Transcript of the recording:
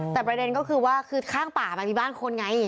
แต่ประเด็นก็คือว่าคือข้างป่ามันมีบ้านคนไง